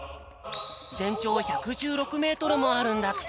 ぜんちょうは１１６ｍもあるんだって。